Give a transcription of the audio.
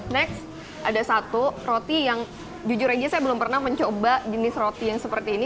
next ada satu roti yang jujur aja saya belum pernah mencoba jenis roti yang seperti ini